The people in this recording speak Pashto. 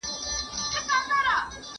افغانانو د خپلو سرتېرو حوصله لوړه وساتله.